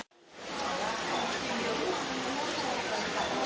สวัสดีครับสวัสดีครับ